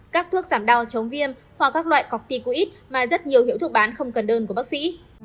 các thuốc giảm đau chống viêm hoặc các loại cọc ti quýt mà rất nhiều hiệu thuộc bán không cần đơn của bác sĩ